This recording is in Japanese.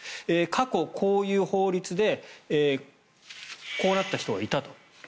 過去、こういう法律でこうなった人がいたと。